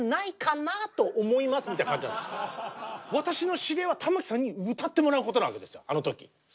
私の指令は玉置さんに歌ってもらうことなんですあの時。